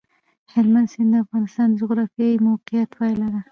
هلمند سیند د افغانستان د جغرافیایي موقیعت پایله ده.